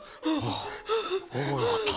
ああよかった。